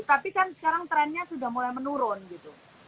tapi kan sekarang trennya sudah mulai menurun gitu